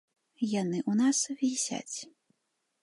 Яны ў нас вісяць.